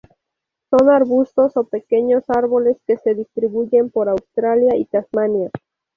Son arbustos o pequeños árboles que se distribuyen por Australia y Tasmania.